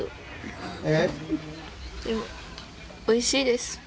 おいしいです。